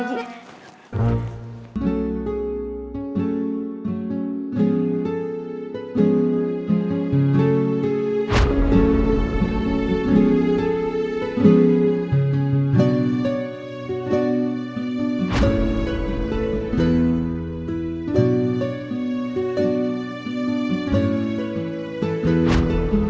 waduh sebab gue harus tidur